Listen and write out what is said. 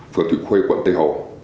phường thủy khuê quận tây hậu